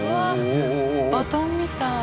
バトンみたい。